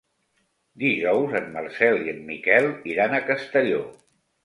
Dijous en Marcel i en Miquel iran a Castelló.